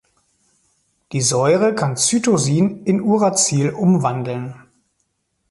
Die Säure kann Cytosin in Uracil umwandeln.